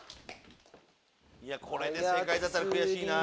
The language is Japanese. これで正解だったら悔しいな。